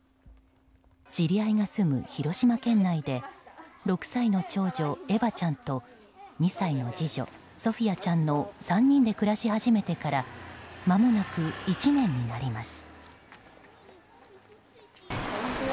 知り合いが住む広島県内で６歳の長女エヴァちゃんと２歳の次女ソフィアちゃんの３人で暮らし始めてからまもなく１年になります。